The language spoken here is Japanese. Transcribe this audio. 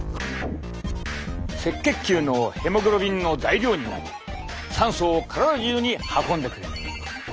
赤血球のヘモグロビンの材料になり酸素を体中に運んでくれる。